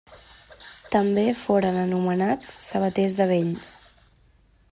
També foren anomenats sabaters de vell.